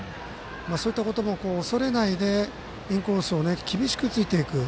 そういったことも恐れないでインコースを厳しくついていく。